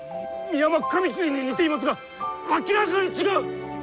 ミヤマカミキリに似ていますが明らかに違う！